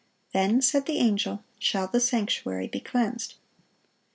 "Then," said the angel, "shall the sanctuary be cleansed."